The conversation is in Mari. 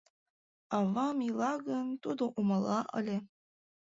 Авам ила гын, тудо умыла ыле.